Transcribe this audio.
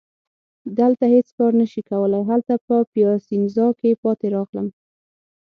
دلته هیڅ کار نه شي کولای، هلته په پیاسینزا کي پاتې راغلم.